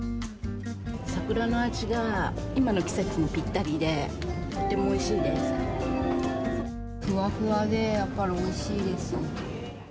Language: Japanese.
桜の味が今の季節にぴったりふわふわでやっぱりおいしいです。